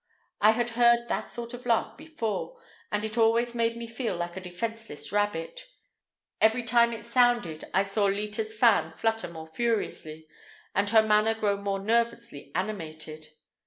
I had heard that sort of laugh before, and it always made me feel like a defenseless rabbit. Every time it sounded I saw Leta's fan flutter more furiously and her manner grow more nervously animated.